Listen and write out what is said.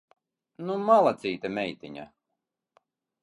Nu malacīte meitiņa!